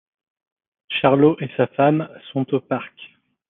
Charlot et sa femme sont aux parc.